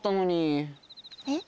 えっ？